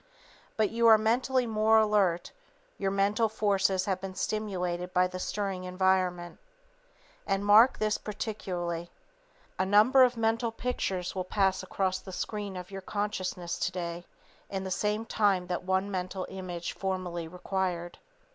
But you are mentally more alert Your mental forces have been stimulated by the stirring environment. [Sidenote: New Found Energies Explained] And, mark this particularly, _a number of mental pictures will pass across the screen of your consciousness today in the same time that one mental image formerly required.